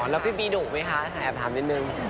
แล้วพี่บีดุไหมคะแอบถามนิดนึง